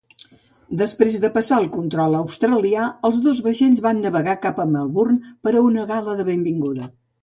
Després de passar a control australià, els dos vaixells van navegar cap a Melbourne per a una gala de benvinguda.